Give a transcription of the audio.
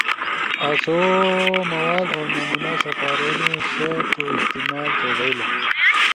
آسو مواد او نمونا سپارونا سا تُو استعمال تو بھئیلا۔